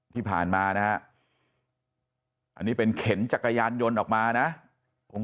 ที่ผ่านมานะฮะอันนี้เป็นเข็นจักรยานยนต์ออกมานะผม